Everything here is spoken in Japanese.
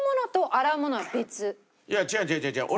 いや違う違う違う違う。